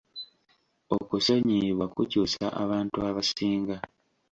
Okusonyiyibwa kukyusa abantu abasinga.